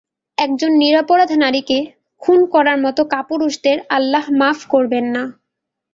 একজন নিরপরাধ নারীকে খুন করার মতো কাপুরুষদের আল্লাহ মাফ করবেন না।